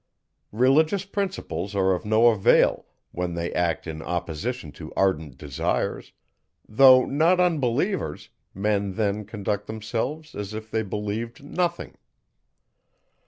Religious principles are of no avail, when they act in opposition to ardent desires; though not unbelievers, men then conduct themselves as if they believed nothing.